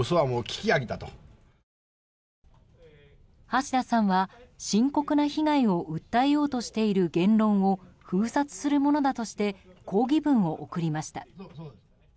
橋田さんは、深刻な被害を訴えようとしている言論を封殺するものだとして抗議文を送りました。